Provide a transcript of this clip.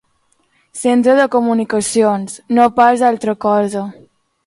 Centre de comunicacions, no pas d'altra cosa.